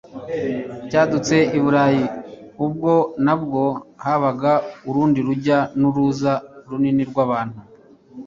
Cyadutse i Burayi ubwo nabwo habaga urundi rujya n'uruza runini rw'abantu,